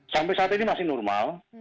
sampai saat ini masih normal